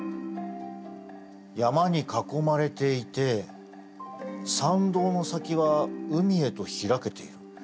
山に囲まれていて参道の先は海へと開けている。